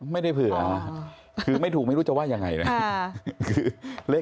ไม่ได้เผื่อคือไม่ถูกไม่รู้จะว่ายังไงนะ